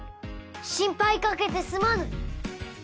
心配かけてすまぬ！